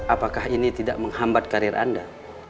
apakah ini tidak menghambat karir anda